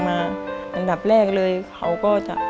มันต้องการแล้วก็หายให้มัน